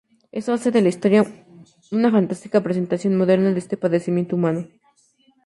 Eso hace de la historia una fantástica presentación moderna de este padecimiento humano.